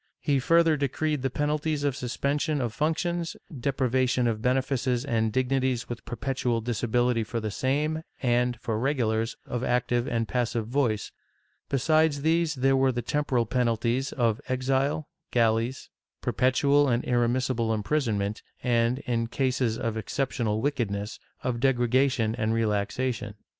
He further decreed the penalties of suspension of func tions, deprivation of benefices and dignities with perpetual disa bility for the same and, for regulars, of active and passive voice ; besides these there were the temporal penalties of exile, galleys, perpetual and irremissible imprisonment and, in cases of excep tional wickedness, of degradation and relaxation.